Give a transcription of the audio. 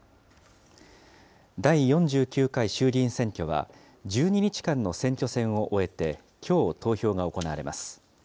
第４９回衆議院選挙は、１２日間の選挙戦を終えて、きょう投票が行われます。